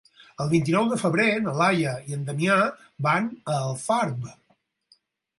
El vint-i-nou de febrer na Laia i en Damià van a Alfarb.